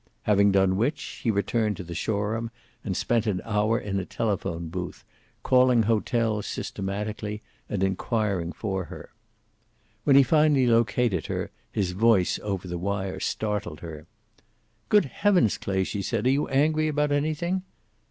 Having done which, he returned to the Shoreham and spent an hour in a telephone booth, calling hotels systematically and inquiring for her. When he finally located her his voice over the wire startled her. "Good heavens, Clay," she said. "Are you angry about anything?"